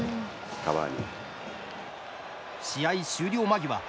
試合終了間際。